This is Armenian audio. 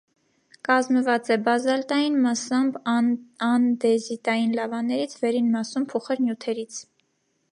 Կազմված Է բազալտային, մասամբ՝ անդեզիտային լավաներից, վերին մասում՝ փուխր նյութերից։